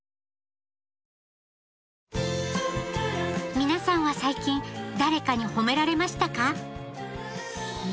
皆さんは最近誰かに褒められましたか？